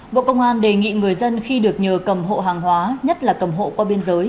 bộ công an đề nghị người dân khi được nhờ cầm hộ hàng hóa nhất là cầm hộ qua biên giới